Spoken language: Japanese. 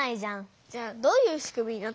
じゃあどういうしくみになってんの？